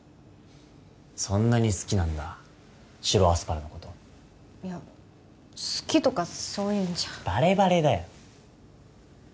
そんなに好きなんだ白アスパラのこといや好きとかそういうんじゃバレバレだよ